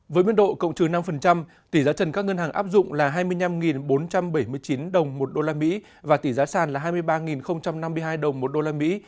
với biên độ cộng trừ năm tỷ giá trần các ngân hàng áp dụng là hai mươi năm bốn trăm bảy mươi chín đồng một đô la mỹ và tỷ giá sàn là hai mươi ba năm mươi hai đồng một đô la mỹ